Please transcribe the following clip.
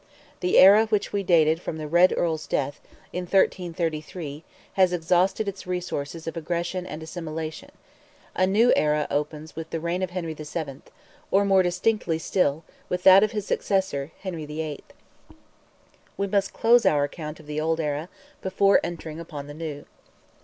The era which we dated from the Red Earl's death, in 1333, has exhausted its resources of aggression and assimilation; a new era opens with the reign of Henry VII.—or more distinctly still, with that of his successor, Henry VIII. We must close our account with the old era, before entering upon the new.